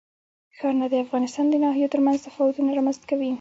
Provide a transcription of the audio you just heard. ښارونه د افغانستان د ناحیو ترمنځ تفاوتونه رامنځ ته کوي.